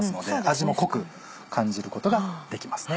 味も濃く感じることができますね。